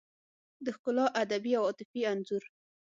د ښکلا ادبي او عاطفي انځور